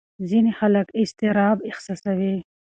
ځینې خلک اضطراب احساسوي.